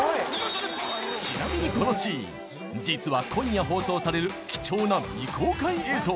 ちなみにこのシーン実は今夜放送される貴重な未公開映像